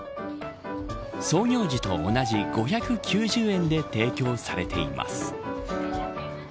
創業時と同じ５９０円で提供されています。